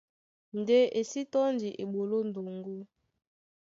Ndé e sí tɔ́ndi eɓoló ndoŋgó.